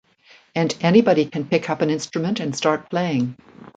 And anybody can pick up an instrument and start playing.